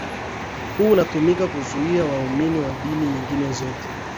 huu unatumika kuzuia waumini wa dini nyingine zote